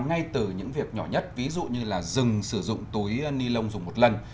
ngay từ những việc nhỏ nhất ví dụ như là dừng sử dụng túi ni lông dùng một lần